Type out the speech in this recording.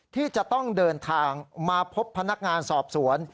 ที่จะต้องเดินทางมาพบพนักงานสอบสวน